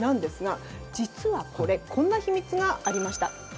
実は、これこんな秘密がありました。